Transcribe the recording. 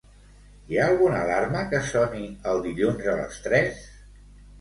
Hi ha alguna alarma que soni el dilluns a les tres?